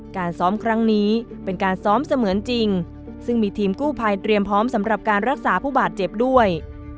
การซ้อมครั้งนี้เป็นการซ้อมเสมือนจริงซึ่งมีทีมกู้ภัยเตรียมพร้อมสำหรับการรักษาผู้บาดเจ็บด้วย